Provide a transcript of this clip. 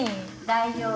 大丈夫。